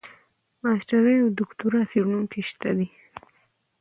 ماسټري او دوکتورا څېړونکي شته دي.